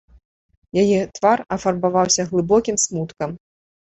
Яе твар афарбаваўся глыбокім смуткам.